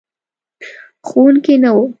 ښوونکی نه و.